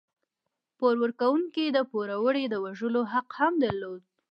پور ورکوونکو د پوروړي د وژلو حق هم درلود.